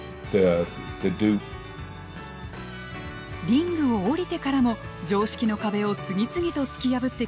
リングを下りてからも常識の壁を次々と突き破ってきた猪木さん。